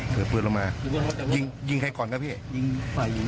ถือปืนลงมายิงยิงใครก่อนครับพี่ยิงฝ่ายหญิง